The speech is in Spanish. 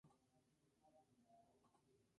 El San Francisco Chronicle dijo "Pro.